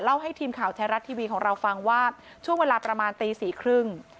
ให้ทีมข่าวไทยรัฐทีวีของเราฟังว่าช่วงเวลาประมาณตีสี่ครึ่ง